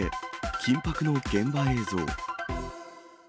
緊迫の現場映像。